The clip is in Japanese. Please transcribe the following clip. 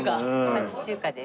町中華です。